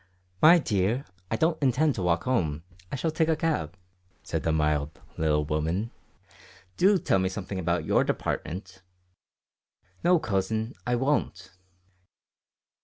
"My dear, I don't intend to walk home; I shall take a cab," said the mild little woman. "Do tell me something about your department." "No, cousin, I won't."